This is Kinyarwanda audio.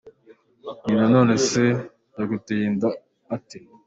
Nyina ati ”None se yaguteye inda ate ?“.